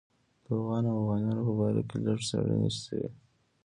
د اوغان او اوغانیانو په باره کې لږ څېړنې شوې.